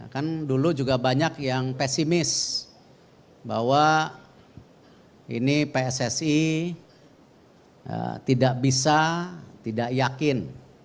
kan dulu juga banyak yang pesimis bahwa ini pssi tidak bisa tidak yakin